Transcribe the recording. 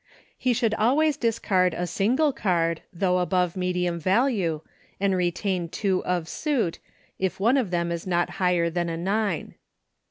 He should always discard a single card, though above medium value, and retain two of suit, if one of them is not higher than a nine.